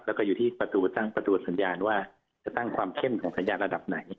แล้วก็อยู่ที่ประตูตั้งประตูสัญญาณว่าจะตั้งความเข้มของสัญญาณระดับไหน